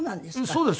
そうです。